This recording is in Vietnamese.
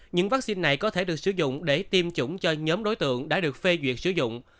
những vaccine này có thể được sử dụng để tiêm chủng cho nhóm đối tượng đã được phê duyệt sử dụng